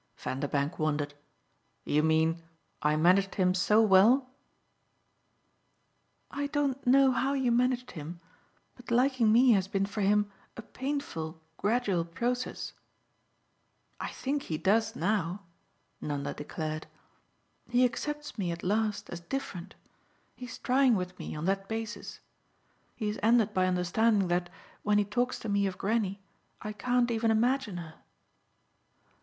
Vanderbank wondered. "You mean I managed him so well?" "I don't know how you managed him, but liking me has been for him a painful gradual process. I think he does now," Nanda declared. "He accepts me at last as different he's trying with me on that basis. He has ended by understanding that when he talks to me of Granny I can't even imagine her."